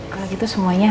kalo gitu semuanya